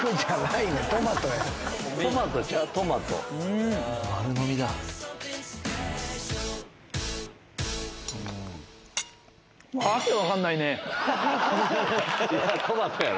いやトマトやろ。